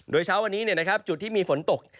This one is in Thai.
โดยเช้าวันนี้จุดที่มีฝนตก